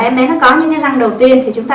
em bé đã có những cái răng đầu tiên thì chúng ta